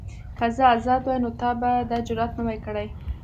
که زه ازاد وای نو تا به دا جرئت نه وای کړی.